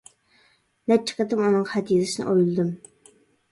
نەچچە قېتىم ئۇنىڭغا خەت يېزىشنى ئويلىدىم.